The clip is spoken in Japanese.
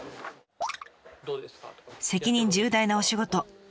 責任重大なお仕事。